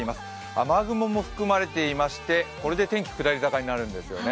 雨雲も含まれていまして、これで天気、下り坂になるんですよね。